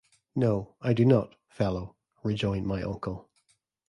“No, I do not, fellow,” rejoined my uncle.